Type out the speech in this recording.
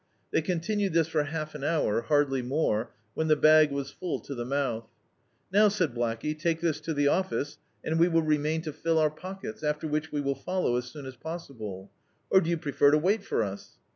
They continued this for half an hour, hardly more, when the bag was full to the mouth. "Now," said Blackey, "take this to the <^ce, and we will remain to fill our pockets, after which we will follow as soon as possible. Or do you prefer to wait for us?"